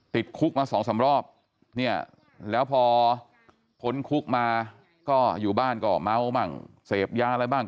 ติดคุกมาสองสามรอบเนี่ยแล้วพอพ้นคุกมาก็อยู่บ้านก็เมาบ้างเสพยาอะไรบ้าง